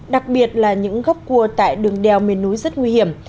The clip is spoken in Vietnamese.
đặc biệt là những góc cua tại đường đèo miền núi rất nguy hiểm